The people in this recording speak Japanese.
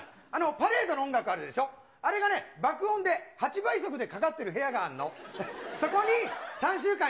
パレードの音楽あるでしょ、あれがね、爆音で８倍速でかかってる部屋があんの。